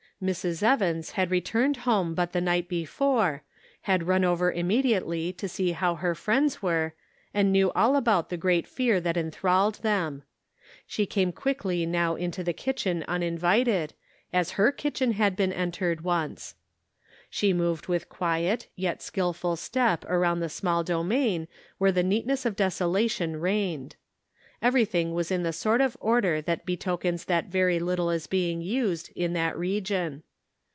Mrs. Evans had returned home but the night before ; had run over immediately to see how her friends were, and knew all about the great fear that enthralled them. She came quickly now into the kitchen uninvited, as her kitchen had been entered once. She moved with 350 The Pocket Measure. quiet yet skillful step around the small domain where the neatness of desolation reigned. Everything was in the sort of order that be tokens that very little is being used in that region.